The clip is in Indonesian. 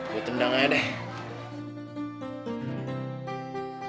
gue tendang aja deh